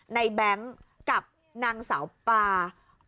แบงค์กับนางสาวปลา